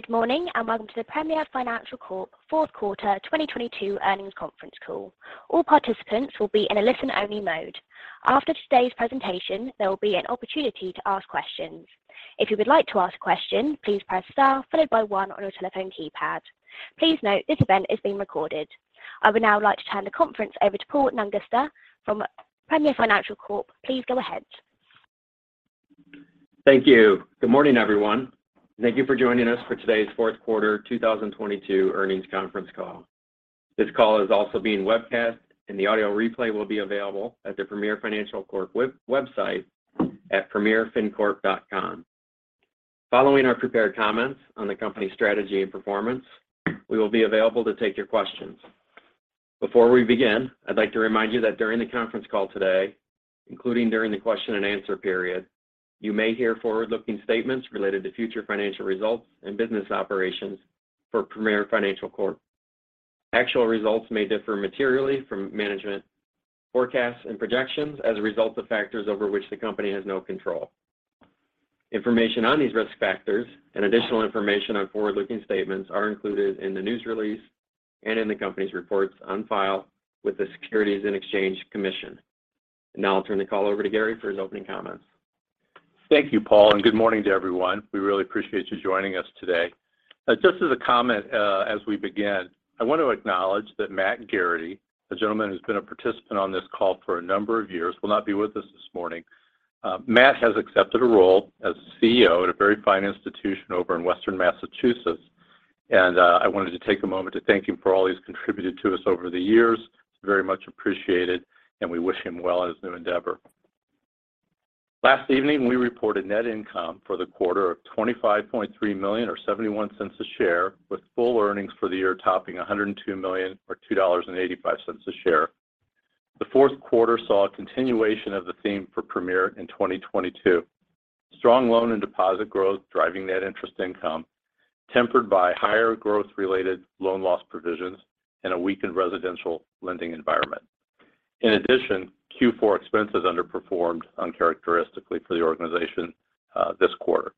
Good morning, and welcome to the Premier Financial Corp fourth quarter 2022 earnings conference call. All participants will be in a listen-only mode. After today's presentation, there will be an opportunity to ask questions. If you would like to ask a question, please press star followed by 1 on your telephone keypad. Please note, this event is being recorded. I would now like to turn the conference over to Paul Nungester from Premier Financial Corp. Please go ahead. Thank you. Good morning, everyone. Thank you for joining us for today's fourth quarter 2022 earnings conference call. This call is also being webcast, and the audio replay will be available at the Premier Financial Corp. web-website at PremierFinCorp.com. Following our prepared comments on the company's strategy and performance, we will be available to take your questions. Before we begin, I'd like to remind you that during the conference call today, including during the question and answer period, you may hear forward-looking statements related to future financial results and business operations for Premier Financial Corp. Actual results may differ materially from management forecasts and projections as a result of factors over which the company has no control. Information on these risk factors and additional information on forward-looking statements are included in the news release and in the company's reports on file with the Securities and Exchange Commission. Now I'll turn the call over to Gary for his opening comments. Thank you, Paul, and good morning to everyone. We really appreciate you joining us today. Just as a comment, as we begin, I want to acknowledge that Matt Garrity, a gentleman who's been a participant on this call for a number of years, will not be with us this morning. Matt has accepted a role as CEO at a very fine institution over in Western Massachusetts, and I wanted to take a moment to thank him for all he's contributed to us over the years. It's very much appreciated, and we wish him well in his new endeavor. Last evening, we reported net income for the quarter of $25.3 million or $0.71 a share, with full earnings for the year topping $102 million or $2.85 a share. The fourth quarter saw a continuation of the theme for Premier in 2022. Strong loan and deposit growth driving net interest income tempered by higher growth-related loan loss provisions and a weakened residential lending environment. In addition, Q4 expenses underperformed uncharacteristically for the organization, this quarter.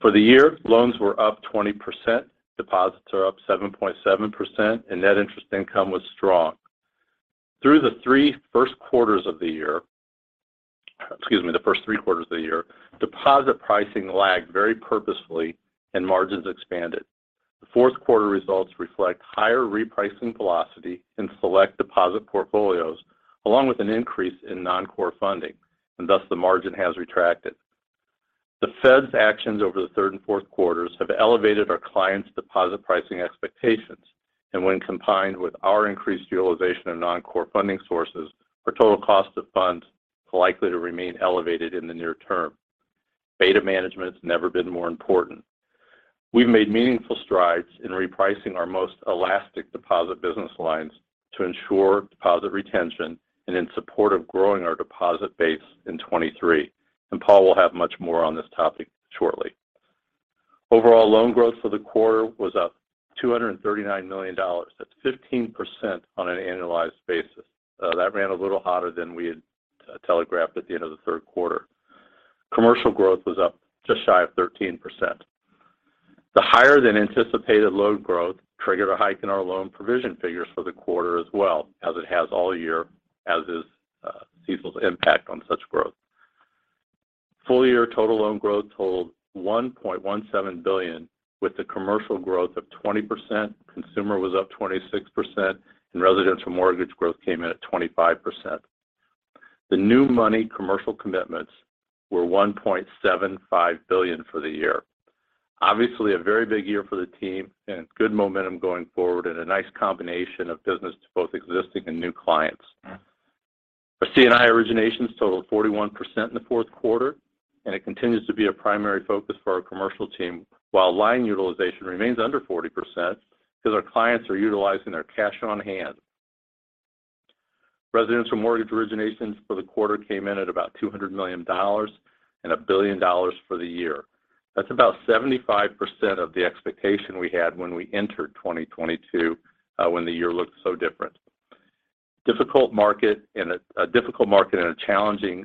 For the year, loans were up 20%, deposits are up 7.7%, and net interest income was strong. Through the first three quarters of the year, deposit pricing lagged very purposefully and margins expanded. The fourth quarter results reflect higher repricing velocity in select deposit portfolios, along with an increase in non-core funding, thus the margin has retracted. The Fed's actions over the third and fourth quarters have elevated our clients' deposit pricing expectations, and when combined with our increased utilization of non-core funding sources, our total cost of funds are likely to remain elevated in the near term. Beta management's never been more important. We've made meaningful strides in repricing our most elastic deposit business lines to ensure deposit retention and in support of growing our deposit base in 2023. Paul will have much more on this topic shortly. Overall loan growth for the quarter was up $239 million. That's 15% on an annualized basis. That ran a little hotter than we had telegraphed at the end of the third quarter. Commercial growth was up just shy of 13%. The higher than anticipated loan growth triggered a hike in our loan provision figures for the quarter as well, as it has all year, as is CECL's impact on such growth. Full year total loan growth totaled $1.17 billion, with the commercial growth of 20%, consumer was up 26%, and residential mortgage growth came in at 25%. The new money commercial commitments were $1.75 billion for the year. Obviously a very big year for the team and good momentum going forward and a nice combination of business to both existing and new clients. Our C&I originations totaled 41% in the fourth quarter. It continues to be a primary focus for our commercial team while line utilization remains under 40% because our clients are utilizing their cash on hand. Residential mortgage originations for the quarter came in at about $200 million and $1 billion for the year. That's about 75% of the expectation we had when we entered 2022, when the year looked so different. Difficult market and a difficult market and a challenging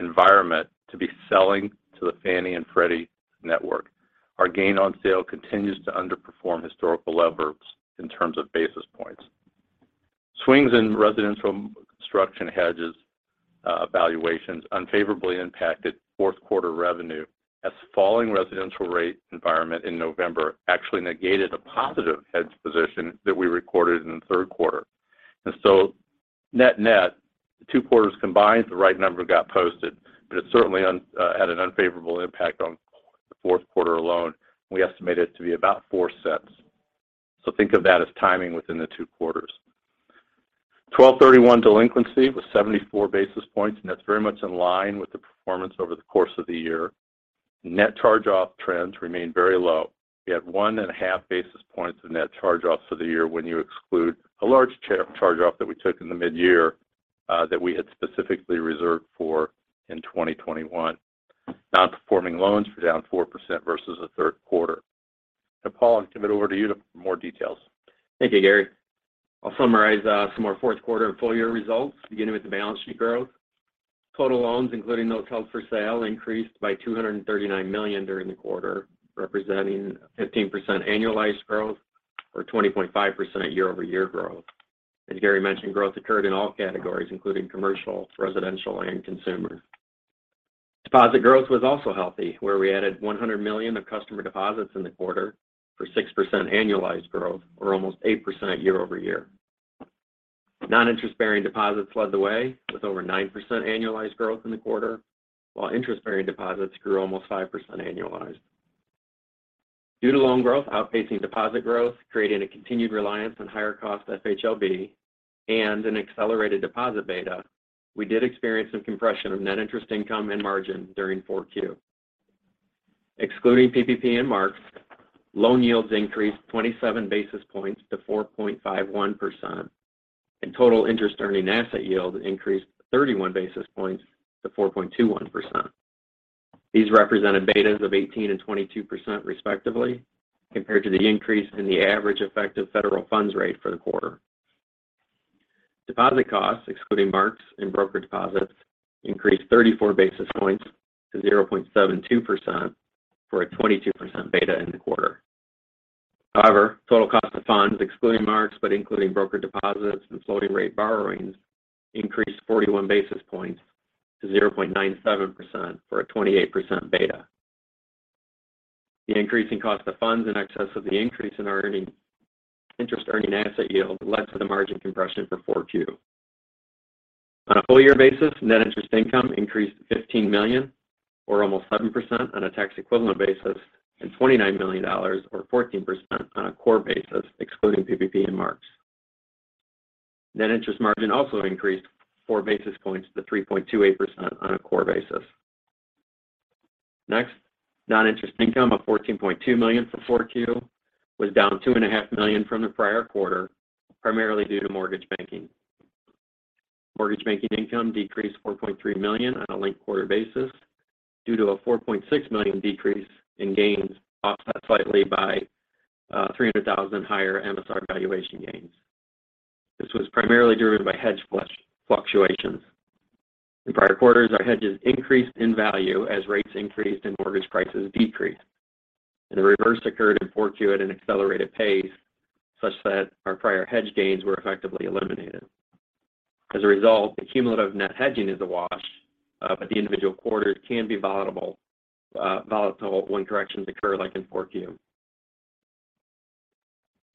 environment to be selling to the Fannie and Freddie network. Our gain on sale continues to underperform historical levels in terms of basis points. Swings in residential construction hedges, valuations unfavorably impacted fourth quarter revenue as falling residential rate environment in November actually negated a positive hedge position that we recorded in the third quarter. Net-net, 2 quarters combined, the right number got posted, but it certainly had an unfavorable impact on the fourth quarter alone. We estimate it to be about $0.04. Think of that as timing within the two quarters. 12/31 delinquency was 74 basis points, that's very much in line with the performance over the course of the year. Net charge-off trends remain very low. We had one and a half basis points of net charge-offs for the year when you exclude a large charge-off that we took in the mid-year, that we had specifically reserved for in 2021. Non-performing loans were down 4% versus the third quarter. Paul, I'll turn it over to you for more details. Thank you, Gary. I'll summarize some more fourth quarter and full year results, beginning with the balance sheet growth. Total loans, including those held for sale, increased by $239 million during the quarter, representing 15% annualized growth or 20.5% year-over-year growth. As Gary mentioned, growth occurred in all categories, including commercial, residential, and consumer. Deposit growth was also healthy, where we added $100 million of customer deposits in the quarter for 6% annualized growth or almost 8% year-over-year. Non-interest-bearing deposits led the way with over 9% annualized growth in the quarter, while interest-bearing deposits grew almost 5% annualized. Due to loan growth outpacing deposit growth, creating a continued reliance on higher cost FHLB and an accelerated deposit beta, we did experience some compression of net interest income and margin during four Q. Excluding PPP and marks, loan yields increased 27 basis points to 4.51%, and total interest earning asset yield increased 31 basis points to 4.21%. These represented betas of 18% and 22% respectively compared to the increase in the average effective federal funds rate for the quarter. Deposit costs, excluding marks and broker deposits, increased 34 basis points to 0.72% for a 22% beta in the quarter. Total cost of funds, excluding marks but including broker deposits and floating rate borrowings, increased 41 basis points to 0.97% for a 28% beta. The increasing cost of funds in excess of the increase in our interest earning asset yield led to the margin compression for 4Q. On a full year basis, net interest income increased $15 million or almost 7% on a tax equivalent basis and $29 million or 14% on a core basis, excluding PPP and marks. Net interest margin also increased 4 basis points to 3.28% on a core basis. Non-interest income of $14.2 million for 4Q was down two and a half million from the prior quarter, primarily due to mortgage banking. Mortgage banking income decreased $4.3 million on a linked quarter basis due to a $4.6 million decrease in gains, offset slightly by $300,000 higher MSR valuation gains. This was primarily driven by hedge fluctuations. In prior quarters, our hedges increased in value as rates increased and mortgage prices decreased. The reverse occurred in 4Q at an accelerated pace such that our prior hedge gains were effectively eliminated. As a result, the cumulative net hedging is a wash, but the individual quarters can be volatile when corrections occur like in 4Q.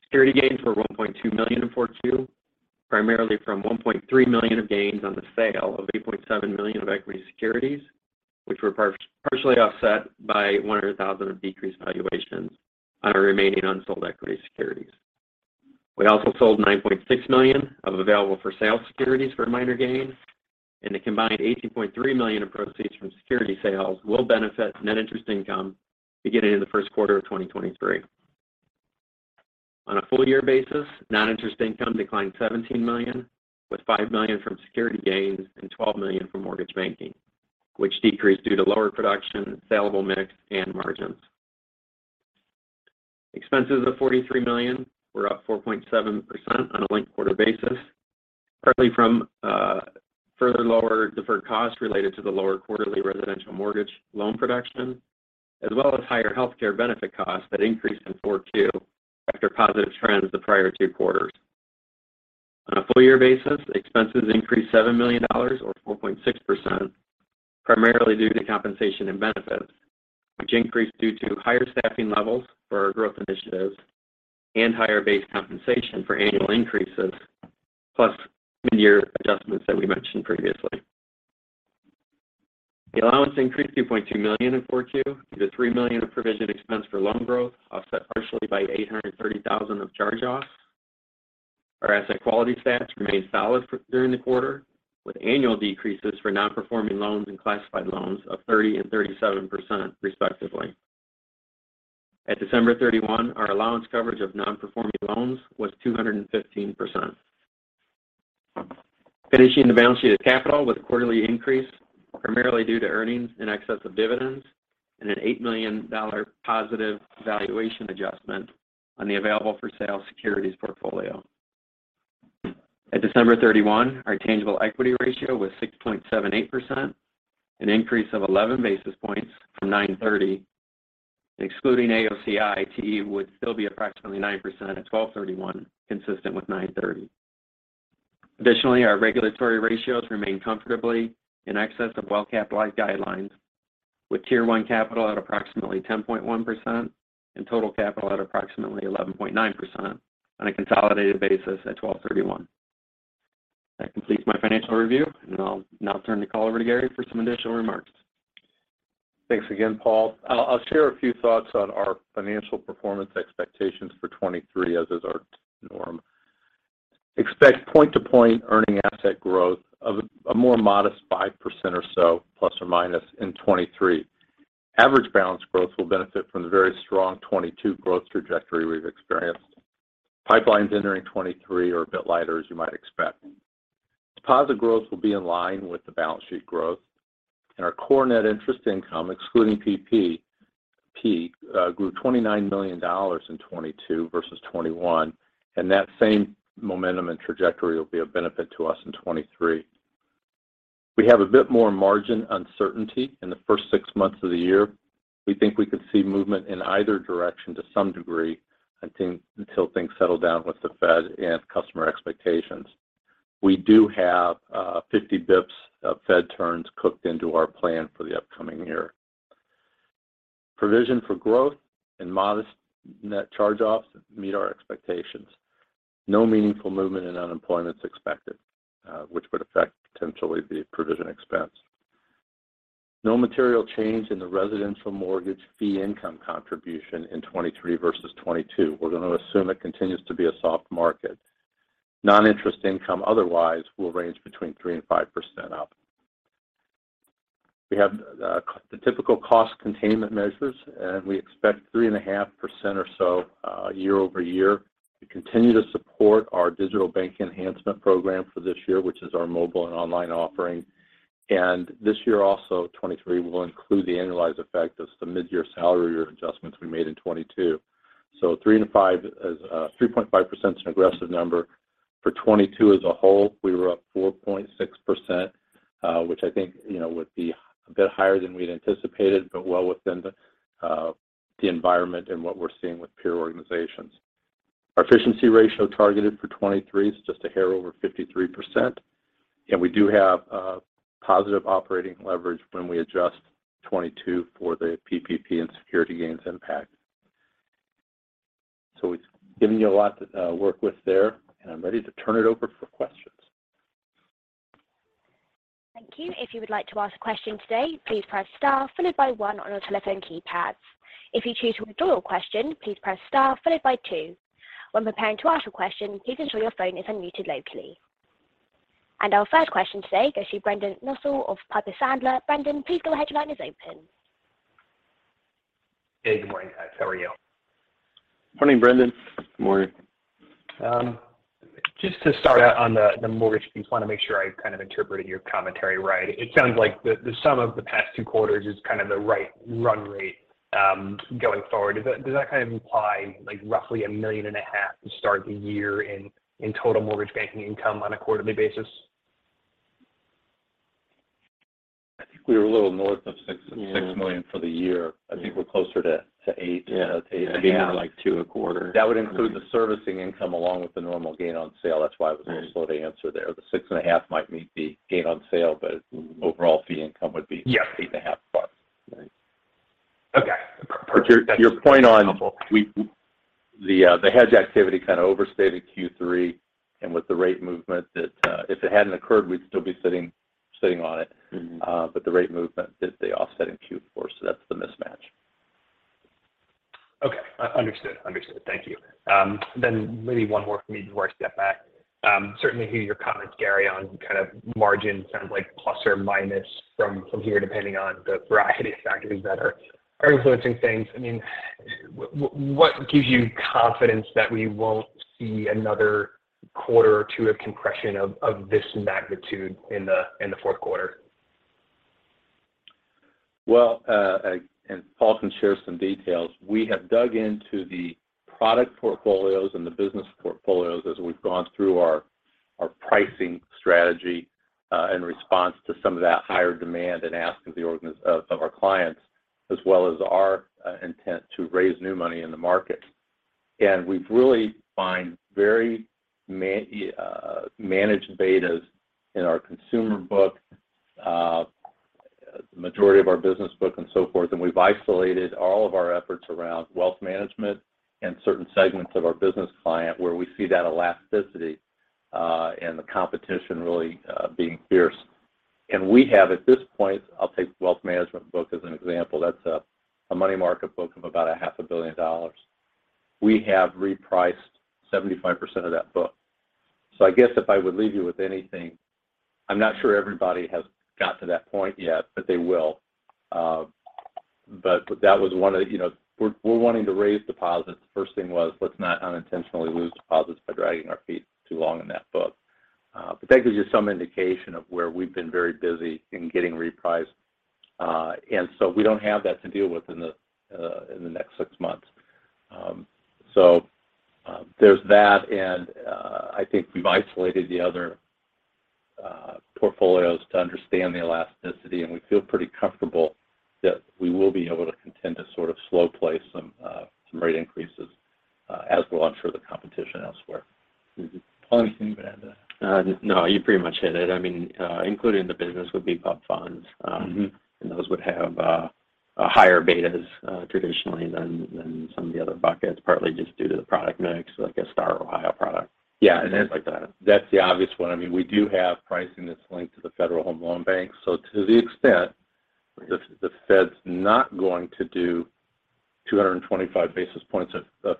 Security gains were $1.2 million in 4Q, primarily from $1.3 million of gains on the sale of $8.7 million of equity securities, which were partially offset by $100,000 of decreased valuations on our remaining unsold equity securities. We also sold $9.6 million of available-for-sale securities for a minor gain, and the combined $18.3 million of proceeds from security sales will benefit net interest income beginning in the first quarter of 2023. On a full year basis, non-interest income declined $17 million, with $5 million from security gains and $12 million from mortgage banking, which decreased due to lower production, saleable mix, and margins. Expenses of $43 million were up 4.7% on a linked quarter basis, partly from further lower deferred costs related to the lower quarterly residential mortgage loan production, as well as higher healthcare benefit costs that increased in 4Q after positive trends the prior two quarters. On a full year basis, expenses increased $7 million or 4.6%, primarily due to compensation and benefits, which increased due to higher staffing levels for our growth initiatives and higher base compensation for annual increases, plus midyear adjustments that we mentioned previously. The allowance increased $2.2 million in 4Q due to $3 million of provision expense for loan growth, offset partially by $830,000 of charge-offs. Our asset quality stats remained solid during the quarter, with annual decreases for non-performing loans and classified loans of 30% and 37% respectively. At December 31, our allowance coverage of non-performing loans was 215%. Finishing the balance sheet of capital with a quarterly increase, primarily due to earnings in excess of dividends and an $8 million positive valuation adjustment on the available for sale securities portfolio. At December 31, our tangible equity ratio was 6.78%, an increase of 11 basis points from 9/30. Excluding AOCI, TE would still be approximately 9% at 12/31, consistent with 9/30. Additionally, our regulatory ratios remain comfortably in excess of well-capitalized guidelines, with tier one capital at approximately 10.1% and total capital at approximately 11.9% on a consolidated basis at 12/31. That completes my financial review. I'll now turn the call over to Gary for some additional remarks. Thanks again, Paul. I'll share a few thoughts on our financial performance expectations for 2023, as is our norm. Expect point-to-point earning asset growth of a more modest 5% or so, ±, in 2023. Average balance growth will benefit from the very strong 2022 growth trajectory we've experienced. Pipelines entering 2023 are a bit lighter as you might expect. Deposit growth will be in line with the balance sheet growth. Our core net interest income, excluding PPP fees, grew $29 million in 2022 versus 2021, and that same momentum and trajectory will be a benefit to us in 2023. We have a bit more margin uncertainty in the first six months of the year. We think we could see movement in either direction to some degree until things settle down with the Fed and customer expectations. We do have 50 basis points of Fed turns cooked into our plan for the upcoming year. Provision for growth and modest net charge-offs meet our expectations. No meaningful movement in unemployment is expected, which would affect potentially the provision expense. No material change in the residential mortgage fee income contribution in 2023 versus 2022. We're gonna assume it continues to be a soft market. Non-interest income, otherwise, will range between 3% and 5% up. We have the typical cost containment measures, and we expect 3.5% or so year-over-year to continue to support our digital bank enhancement program for this year, which is our mobile and online offering. This year also, 2023, we'll include the annualized effect of some mid-year salary adjustments we made in 2022. 3.5% is an aggressive number. For 2022 as a whole, we were up 4.6%, which I think, you know, would be a bit higher than we'd anticipated, but well within the environment and what we're seeing with peer organizations. Our efficiency ratio targeted for 2023 is just a hair over 53%. We do have positive operating leverage when we adjust 2022 for the PPP and security gains impact. It's giving you a lot to work with there, and I'm ready to turn it over for questions. Thank you. If you would like to ask a question today, please press Star followed by one on your telephone keypads. If you choose to withdraw your question, please press Star followed by two. When preparing to ask your question, please ensure your phone is unmuted locally. Our first question today goes to Brendan Nussbaum of Piper Sandler. Brendan, please go ahead. Your line is open. Hey, good morning, guys. How are you? Morning, Brendan. Good morning. Just to start out on the mortgage piece, want to make sure I kind of interpreted your commentary right. It sounds like the sum of the past two quarters is kind of the right run rate going forward. Does that, does that kind of imply, roughly a million and a half to start the year in total mortgage banking income on a quarterly basis? I think we were a little north of six- Yeah... $6 million for the year. I think we're closer to $8 million. Yeah. 8.5. Yeah. Gain of, like, two a quarter. That would include the servicing income along with the normal gain on sale. That's why I was a little slow to answer there. The 6.5 might meet the gain on sale, but overall fee income would be. Yes... 8.5+. Right. Okay. Appreciate it. That's helpful. Your point on The, the hedge activity kind of overstated Q3, and with the rate movement that, if it hadn't occurred, we'd still be sitting on it. Mm-hmm. The rate movement did the offset in Q4. That's the mismatch. Okay. Understood. Understood. Thank you. Maybe one more from me before I step back. Certainly hear your comments, Gary, on kind of margin. Sounds like plus or minus from here, depending on the variety of factors that are influencing things. I mean, what gives you confidence that we won't see another quarter or two of compression of this magnitude in the fourth quarter? Well, Paul can share some details. We have dug into the product portfolios and the business portfolios as we've gone through our pricing strategy, in response to some of that higher demand and ask of our clients, as well as our intent to raise new money in the market. We really find very managed betas in our consumer book, the majority of our business book, and so forth. We've isolated all of our efforts around wealth management and certain segments of our business client where we see that elasticity, and the competition really being fierce. We have at this point, I'll take wealth management book as an example. That's a money market book of about a half a billion dollars. We have repriced 75% of that book. I guess if I would leave you with anything, I'm not sure everybody has gotten to that point yet, but they will. You know, we're wanting to raise deposits. The first thing was let's not unintentionally lose deposits by dragging our feet too long in that book. That gives you some indication of where we've been very busy in getting repriced. We don't have that to deal with in the next six months. There's that, and I think we've isolated the other portfolios to understand the elasticity, and we feel pretty comfortable that we will be able to contend to sort of slow play some rate increases, as will I'm sure the competition elsewhere. Mm-hmm. Paul, anything you want to add there? No. You pretty much hit it. I mean, including the business would be public funds. Mm-hmm. Those would have higher betas traditionally than some of the other buckets, partly just due to the product mix, like a STAR Ohio product. Yeah. Things like that. That's the obvious one. I mean, we do have pricing that's linked to the Federal Home Loan Bank. To the extent- Right... the Fed's not going to do 225 basis points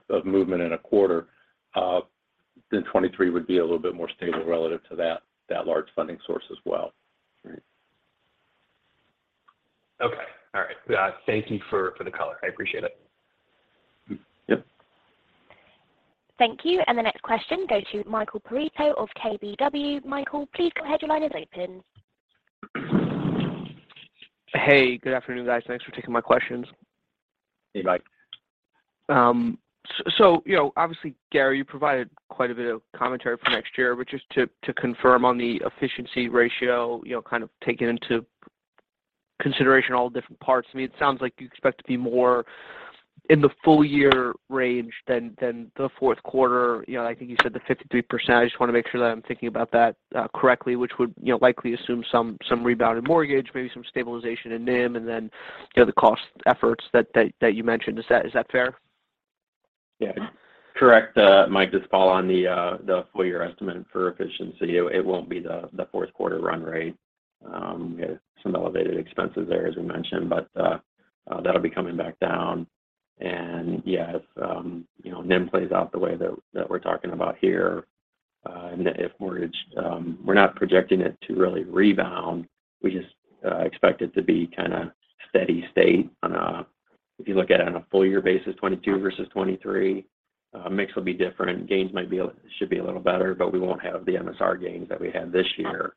of movement in a quarter, then 23 would be a little bit more stable relative to that large funding source as well. Okay. All right. Yeah. Thank you for the color. I appreciate it. Yep. Thank you. The next question goes to Michael Perito of KBW. Michael, please go ahead. Your line is open. Hey, good afternoon, guys. Thanks for taking my questions. Hey, Mike. You know, obviously, Gary Small, you provided quite a bit of commentary for next year, but just to confirm on the efficiency ratio, you know, kind of taking into consideration all the different parts. I mean, it sounds like you expect to be more in the full year range than the fourth quarter. You know, I think you said the 53%. I just want to make sure that I'm thinking about that correctly, which would, you know, likely assume some rebound in mortgage, maybe some stabilization in NIM, and then, you know, the cost efforts that you mentioned. Is that fair? Yeah. Correct, Mike, just follow on the full year estimate for efficiency. It, it won't be the fourth quarter run rate. We had some elevated expenses there, as we mentioned, but that'll be coming back down. Yes, you know, NIM plays out the way that we're talking about here. We're not projecting it to really rebound. We just expect it to be kind of steady state. If you look at it on a full year basis, 2022 versus 2023, mix will be different. Gains should be a little better, but we won't have the MSR gains that we had this year,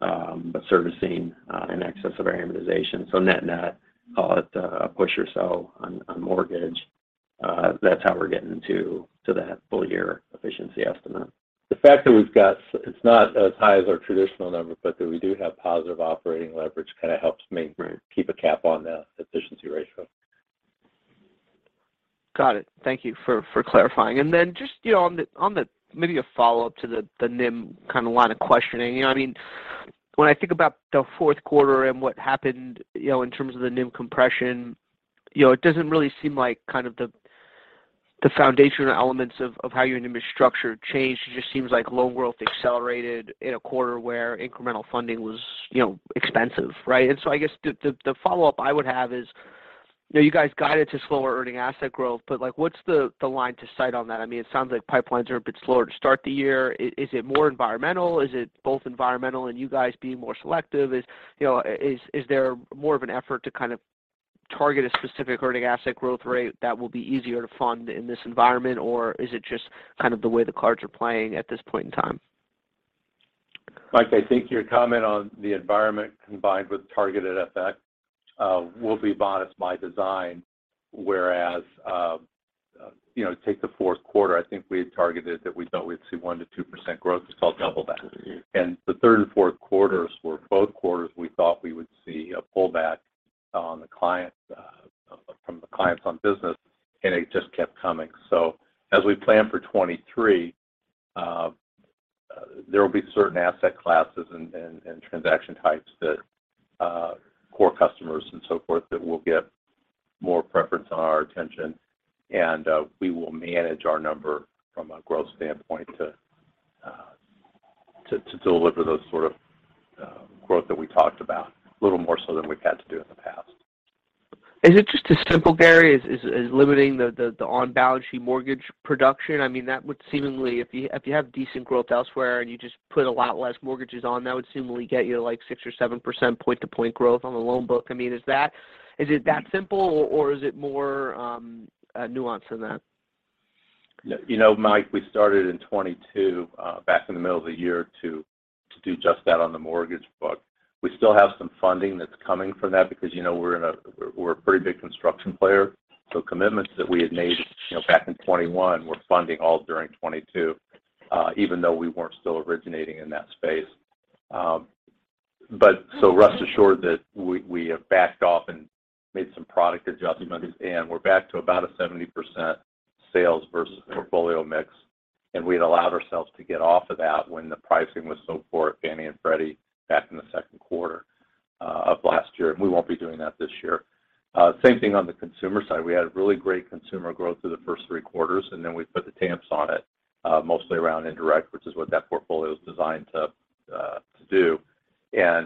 but servicing in excess of our amortization. Net-net, call it a push or so on mortgage. That's how we're getting to that full year efficiency estimate. The fact that it's not as high as our traditional number, but that we do have positive operating leverage kind of helps. Right. keep a cap on the efficiency ratio. Got it. Thank you for clarifying. Just, you know, on the maybe a follow-up to the NIM kind of line of questioning. You know, I mean, when I think about the fourth quarter and what happened, you know, in terms of the NIM compression, you know, it doesn't really seem like kind of the foundational elements of how your NIM is structured changed. It just seems like loan growth accelerated in a quarter where incremental funding was, you know, expensive, right? I guess the follow-up I would have is, you know, you guys guided to slower earning asset growth, like, what's the line to cite on that? I mean, it sounds like pipelines are a bit slower to start the year. Is it more environmental? Is it both environmental and you guys being more selective? You know, is there more of an effort to kind of target a specific earning asset growth rate that will be easier to fund in this environment? Is it just kind of the way the cards are playing at this point in time? Mike, I think your comment on the environment combined with targeted effect, will be modest by design, whereas, you know, take the fourth quarter. I think we had targeted that we thought we'd see 1%-2% growth. We saw double that. Mm-hmm. The third and fourth quarters were both quarters we thought we would see a pullback on the clients from the clients on business, and it just kept coming. As we plan for 23, there will be certain asset classes and transaction types that core customers and so forth that will get more preference on our attention. We will manage our number from a growth standpoint to deliver those sort of growth that we talked about a little more so than we've had to do in the past. Is it just as simple, Gary, as limiting the on-balance sheet mortgage production? I mean, that would seemingly if you have decent growth elsewhere and you just put a lot less mortgages on, that would seemingly get you to, like, 6% or 7% point-to-point growth on the loan book. I mean, is it that simple, or is it more nuanced than that? You know, Mike, we started in 2022 back in the middle of the year to do just that on the mortgage book. We still have some funding that's coming from that because, you know, we're a pretty big construction player. Commitments that we had made, you know, back in 2021, we're funding all during 2022, even though we weren't still originating in that space. Rest assured that we have backed off and made some product adjustments, and we're back to about a 70% sales versus portfolio mix. We had allowed ourselves to get off of that when the pricing was so poor at Fannie and Freddie back in the second quarter of last year, and we won't be doing that this year. Same thing on the consumer side. We had really great consumer growth through the first three quarters, and then we put the tamps on it, mostly around indirect, which is what that portfolio is designed to do.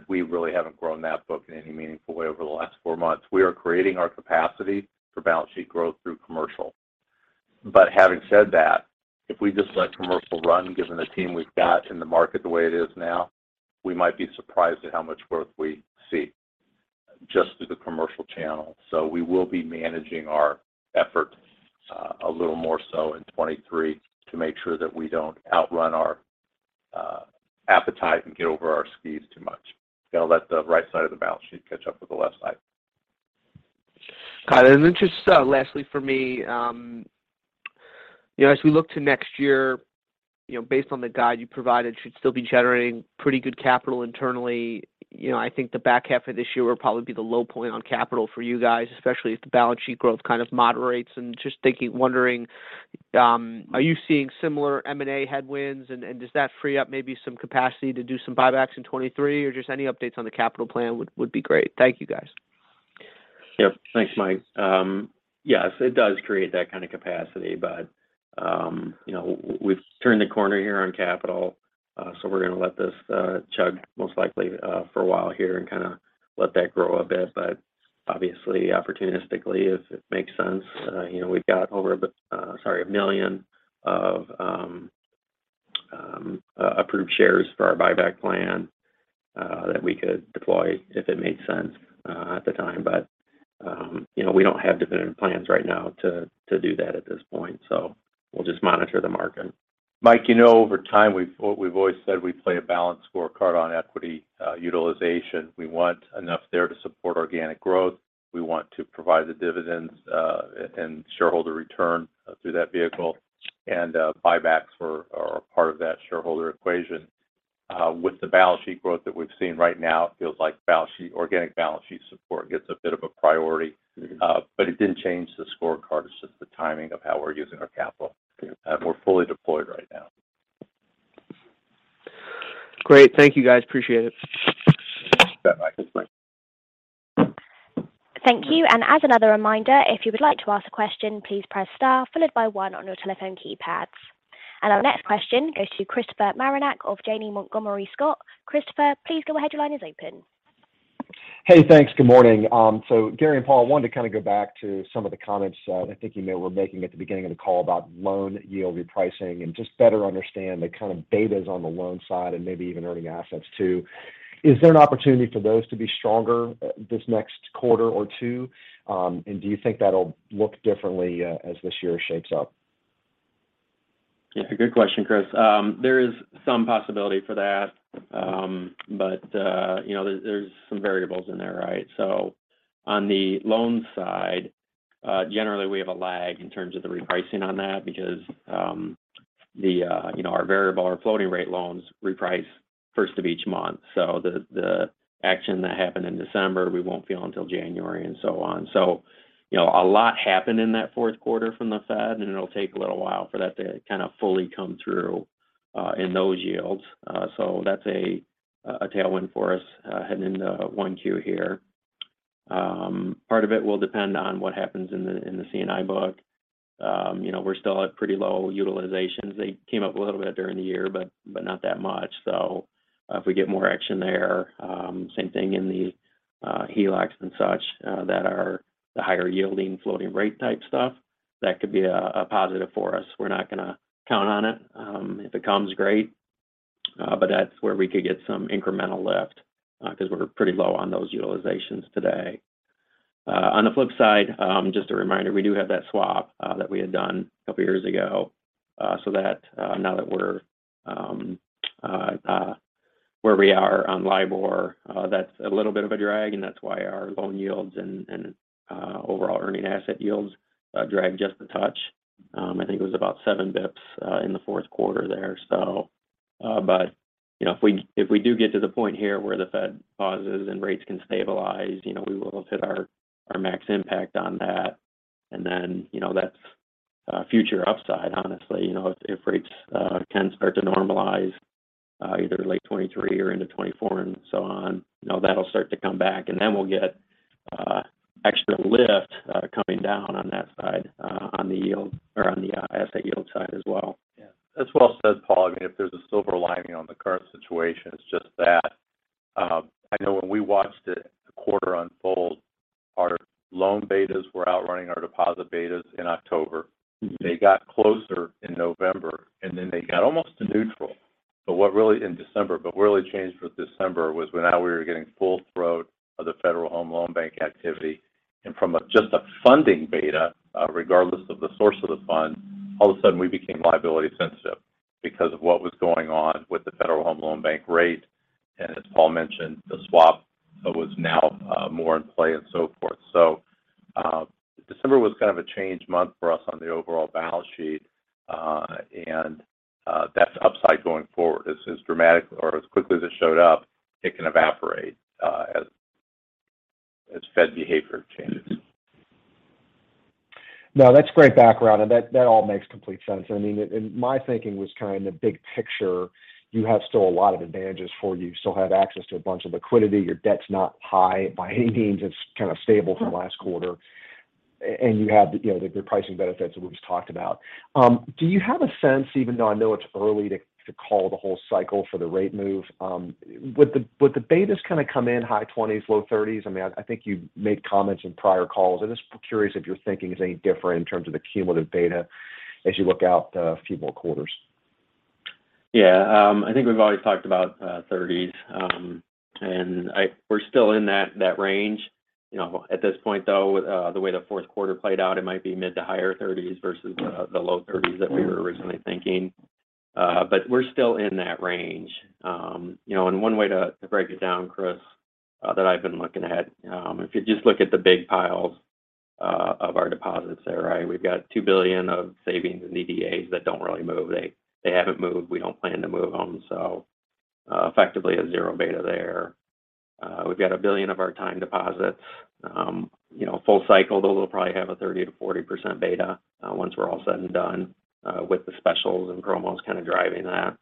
We really haven't grown that book in any meaningful way over the last four months. We are creating our capacity for balance sheet growth through commercial. Having said that, if we just let commercial run, given the team we've got in the market the way it is now, we might be surprised at how much growth we see just through the commercial channel. We will be managing our effort, a little more so in 2023 to make sure that we don't outrun our appetite and get over our skis too much. Gonna let the right side of the balance sheet catch up with the left side. Got it. Then just, lastly for me, you know, as we look to next year, you know, based on the guide you provided, should still be generating pretty good capital internally. You know, I think the back half of this year will probably be the low point on capital for you guys, especially if the balance sheet growth kind of moderates. Just thinking, wondering, are you seeing similar M&A headwinds? Does that free up maybe some capacity to do some buybacks in 23? Just any updates on the capital plan would be great. Thank you, guys. Yep. Thanks, Mike. Yes, it does create that kind of capacity, you know, we've turned the corner here on capital, so we're gonna let this chug most likely for a while here and kind of let that grow a bit. Obviously, opportunistically, if it makes sense, you know, we've got over sorry, 1 million of approved shares for our buyback plan that we could deploy if it made sense at the time. You know, we don't have definitive plans right now to do that at this point, so we'll just monitor the market. Mike, you know, over time we've always said we play a balanced scorecard on equity, utilization. We want enough there to support organic growth. We want to provide the dividends, and shareholder return, through that vehicle. Buybacks are a part of that shareholder equation. With the balance sheet growth that we've seen right now, it feels like organic balance sheet support gets a bit of a priority. Mm-hmm. It didn't change the scorecard. It's just the timing of how we're using our capital. Yeah. We're fully deployed right now. Great. Thank you guys. Appreciate it. You bet, Mike. Thanks, Mike. Thank you. As another reminder, if you would like to ask a question, please press star followed by one on your telephone keypads. Our next question goes to Christopher Marinac of Janney Montgomery Scott. Christopher, please go ahead. Your line is open. Hey, thanks. Good morning. Gary and Paul, wanted to kind of go back to some of the comments, I think you may were making at the beginning of the call about loan yield repricing and just better understand the kind of betas on the loan side and maybe even earning assets too. Is there an opportunity for those to be stronger, this next quarter or two? And do you think that'll look differently, as this year shapes up? It's a good question, Chris. There is some possibility for that. You know, there's some variables in there, right? On the loan side, generally we have a lag in terms of the repricing on that because, you know, our variable, our floating rate loans reprice first of each month. The, the action that happened in December, we won't feel until January and so on. You know, a lot happened in that fourth quarter from the Fed, it'll take a little while for that to kind of fully come through in those yields. That's a tailwind for us heading into 1Q here. Part of it will depend on what happens in the C&I book. You know, we're still at pretty low utilizations. They came up a little bit during the year, but not that much. If we get more action there, same thing in the HELOCs and such, that are the higher yielding floating rate type stuff, that could be a positive for us. We're not gonna count on it. If it comes, great. That's where we could get some incremental lift, 'cause we're pretty low on those utilizations today. On the flip side, just a reminder, we do have that swap that we had done a couple years ago. That, now that we're where we are on LIBOR, that's a little bit of a drag and that's why our loan yields and overall earning asset yields drag just a touch. I think it was about 7 basis points in the fourth quarter there. You know, if we, if we do get to the point here where the Fed pauses and rates can stabilize, you know, we will have hit our max impact on that. You know, that's future upside, honestly. If, if rates can start to normalize, either late 2023 or into 2024 and so on, you know, that'll start to come back, and then we'll get extra lift coming down on that side, on the yield or on the asset yield side as well. Yeah. That's well said, Paul. I mean, if there's a silver lining on the current situation, it's just that. I know when we watched it, the quarter unfold, our loan betas were outrunning our deposit betas in October. Mm-hmm. They got closer in November, and then they got almost to neutral. What really changed for December was when now we were getting full throat of the Federal Home Loan Bank activity. From a, just a funding beta, regardless of the source of the fund, all of a sudden we became liability sensitive because of what was going on with the Federal Home Loan Bank rate. As Paul mentioned, the swap was now more in play and so forth. December was kind of a change month for us on the overall balance sheet. That upside going forward as dramatic or as quickly as it showed up, it can evaporate as Fed behavior changes. No, that's great background, and that all makes complete sense. I mean, my thinking was kind of big picture. You have still a lot of advantages for you. You still have access to a bunch of liquidity. Your debt's not high by any means. It's kind of stable from last quarter. You have the, you know, the pricing benefits that we just talked about. Do you have a sense, even though I know it's early to call the whole cycle for the rate move, would the betas kind of come in high 20s, low 30s? I mean, I think you've made comments in prior calls. I'm just curious if your thinking is any different in terms of the cumulative beta as you look out a few more quarters. I think we've always talked about 30s. You know, at this point though, the way the fourth quarter played out, it might be mid-to-higher 30s versus the low 30s that we were originally thinking. We're still in that range. You know, and one way to break it down, Chris, that I've been looking at, if you just look at the big piles of our deposits there, right? We've got $2 billion of savings and EDAs that don't really move. They haven't moved, we don't plan to move them. Effectively a zero beta there. We've got $1 billion of our time deposits. You know, full cycle though, we'll probably have a 30%-40% beta, once we're all said and done, with the specials and promos kind of driving that.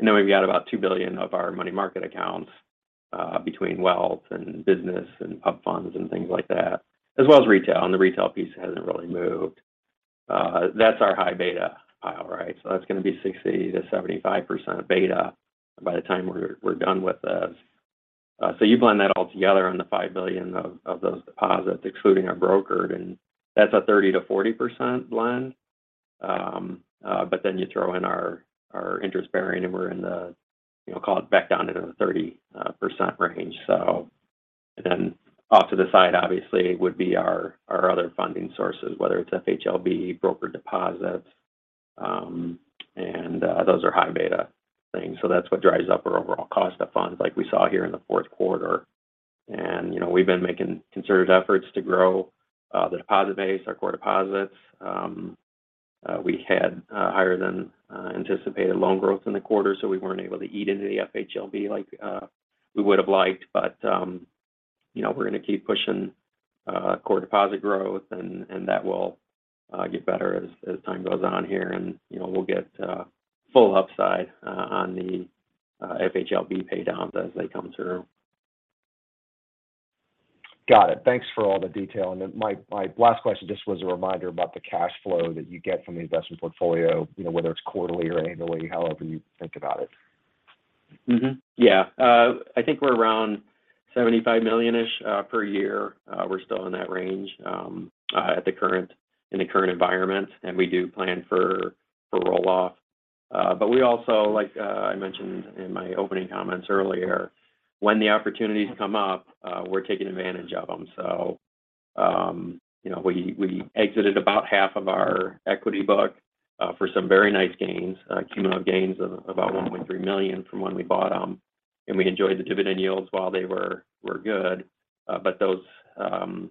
We've got about $2 billion of our money market accounts, between wealth and business and PUP funds and things like that, as well as retail. The retail piece hasn't really moved. That's our high beta pile, right? That's gonna be 60%-75% beta by the time we're done with this. You blend that all together in the $5 billion of those deposits, excluding our brokered, and that's a 30%-40% blend. You throw in our interest-bearing, and we're in the, you know, call it back down into the 30% range. Off to the side, obviously, would be our other funding sources, whether it's FHLB, brokered deposits, and those are high beta things. That's what drives up our overall cost of funds, like we saw here in the fourth quarter. You know, we've been making concerted efforts to grow the deposit base, our core deposits. We had higher than anticipated loan growth in the quarter, so we weren't able to eat into the FHLB like we would've liked. You know, we're gonna keep pushing core deposit growth and that will get better as time goes on here. You know, we'll get full upside on the FHLB paydowns as they come through. Got it. Thanks for all the detail. My, my last question just was a reminder about the cash flow that you get from the investment portfolio, you know, whether it's quarterly or annually, however you think about it. Yeah. I think we're around $75 million-ish per year. We're still in that range in the current environment, and we do plan for roll-off. We also, like, I mentioned in my opening comments earlier, when the opportunities come up, we're taking advantage of them. You know, we exited about half of our equity book for some very nice gains. Cumulative gains of about $1.3 million from when we bought them, and we enjoyed the dividend yields while they were good. Those, the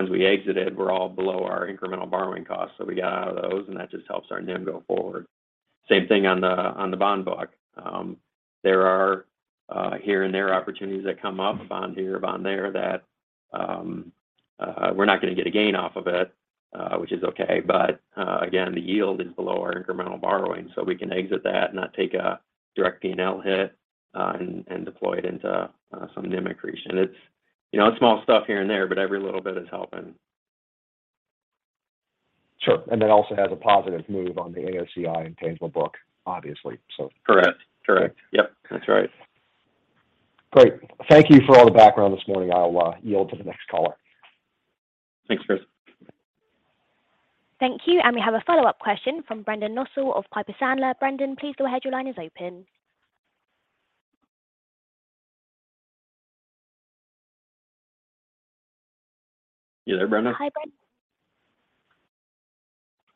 ones we exited were all below our incremental borrowing costs, so we got out of those, and that just helps our NIM go forward. Same thing on the bond book. There are here and there opportunities that come up, a bond here, a bond there, that we're not gonna get a gain off of it, which is okay, but again, the yield is below our incremental borrowing. We can exit that and not take a direct P&L hit, and deploy it into some NIM accretion. It's small stuff here and there, but every little bit is helping. Sure. It also has a positive move on the AOCI and payable book, obviously. Correct. Correct. Yep. That's right. Great. Thank you for all the background this morning. I'll yield to the next caller. Thanks, Chris. Thank you. We have a follow-up question from Brendan Nussbaum of Piper Sandler. Brendan, please go ahead. Your line is open. You there, Brendan Nussbaum? Hi,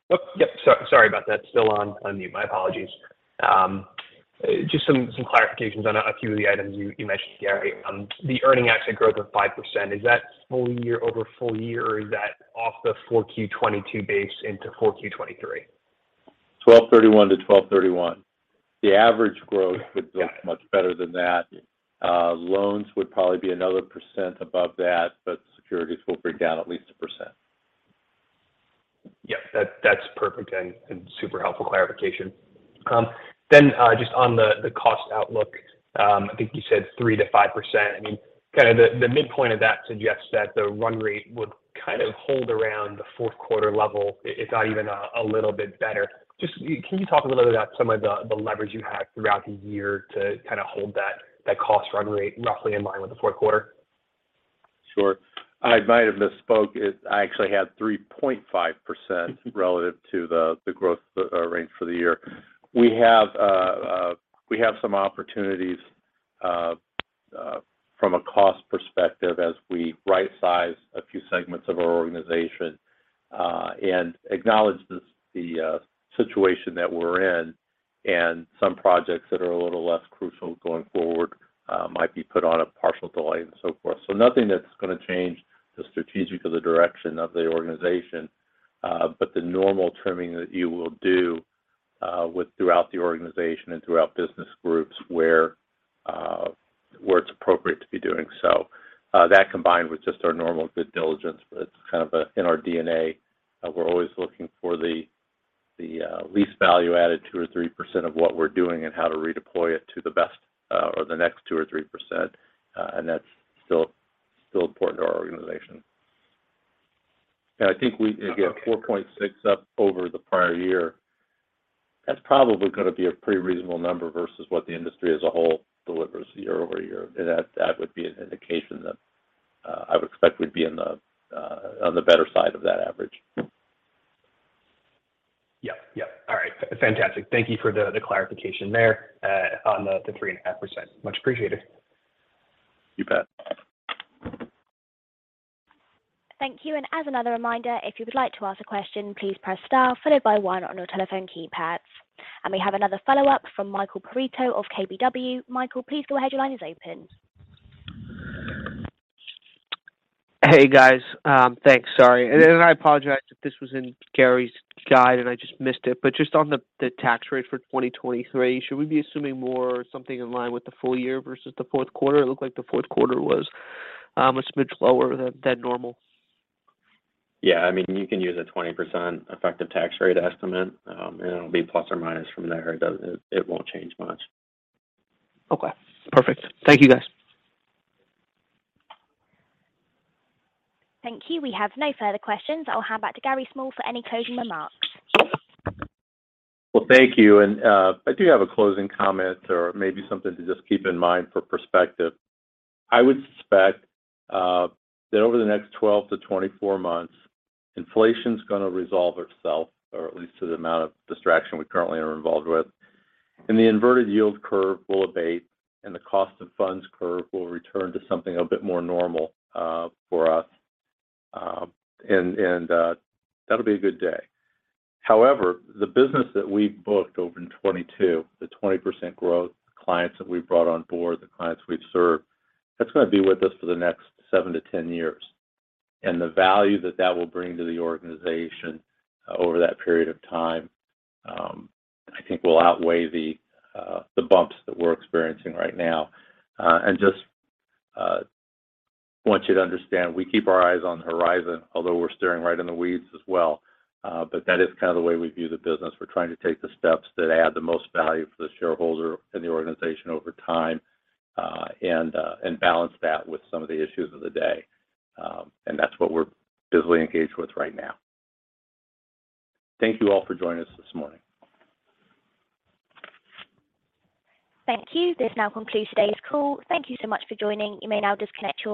Brendan. Yep, sorry about that. Still on mute. My apologies. Just some clarifications on a few of the items you mentioned, Gary. The earning asset growth of 5%, is that full year-over-full year, or is that off the 4Q22 base into 4Q23? Twelve thirty-one to twelve thirty-one. The average growth would look much better than that. Loans would probably be another % above that, but securities will bring down at least a %. Yeah. That, that's perfect and super helpful clarification. Just on the cost outlook, I think you said 3%-5%. I mean, kind of the midpoint of that suggests that the run rate would kind of hold around the fourth quarter level if not even a little bit better. Just can you talk a little bit about some of the leverage you had throughout the year to kinda hold that cost run rate roughly in line with the fourth quarter? Sure. I might have misspoke. I actually had 3.5% relative to the growth range for the year. We have some opportunities from a cost perspective as we right-size a few segments of our organization and acknowledge this, the situation that we're in, and some projects that are a little less crucial going forward might be put on a partial delay and so forth. Nothing that's gonna change the strategic or the direction of the organization, but the normal trimming that you will do throughout the organization and throughout business groups where it's appropriate to be doing so. That combined with just our normal good diligence. It's kind of in our DNA. We're always looking for the least value added 2% or 3% of what we're doing and how to redeploy it to the best or the next 2% or 3%. That's still important to our organization. I think we, again, 4.6% up over the prior year. That's probably gonna be a pretty reasonable number versus what the industry as a whole delivers year-over-year. That would be an indication that I would expect we'd be in the on the better side of that average. Yep. All right. Fantastic. Thank you for the clarification there, on the 3.5%. Much appreciated. You bet. Thank you. As another reminder, if you would like to ask a question, please press star followed by one on your telephone keypads. We have another follow-up from Michael Perito of KBW. Michael, please go ahead. Your line is open. Hey, guys. Thanks. Sorry. I apologize if this was in Gary's guide and I just missed it, but just on the tax rate for 2023, should we be assuming more something in line with the full year versus the fourth quarter? It looked like the fourth quarter was a smidge lower than normal. Yeah. I mean, you can use a 20% effective tax rate estimate. It'll be plus or minus from there. It won't change much. Okay. Perfect. Thank you, guys. Thank you. We have no further questions. I'll hand back to Gary Small for any closing remarks. Well, thank you. I do have a closing comment or maybe something to just keep in mind for perspective. I would suspect that over the next 12 to 24 months, inflation's gonna resolve itself, or at least to the amount of distraction we currently are involved with. The inverted yield curve will abate, and the cost of funds curve will return to something a bit more normal for us. That'll be a good day. However, the business that we've booked over in 2022, the 20% growth, the clients that we've brought on board, the clients we've served, that's gonna be with us for the next 7 to 10 years. The value that that will bring to the organization over that period of time, I think will outweigh the bumps that we're experiencing right now. Just want you to understand, we keep our eyes on the horizon, although we're staring right in the weeds as well. That is kind of the way we view the business. We're trying to take the steps that add the most value for the shareholder and the organization over time, and balance that with some of the issues of the day. That's what we're busily engaged with right now. Thank you all for joining us this morning. Thank you. This now concludes today's call. Thank you so much for joining. You may now disconnect your line.